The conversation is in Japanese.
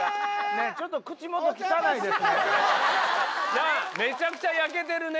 チャンめちゃくちゃ焼けてるね。